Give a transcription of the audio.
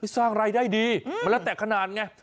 สร้างไร้ได้ดีมาละแต่ขนาดไง